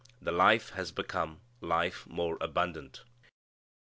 The life has become life more abundant.